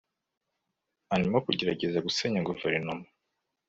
arimo kugerageza gusenya guverinoma